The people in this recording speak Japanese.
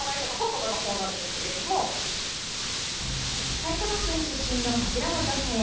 埼玉県出身のこちらの女性。